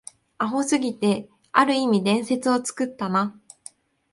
アホすぎて、ある意味伝説を作ったな